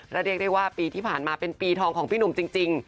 และเรียกได้ว่าปีที่ผ่านมาเป็นปีทองของพี่หนุ่มจริง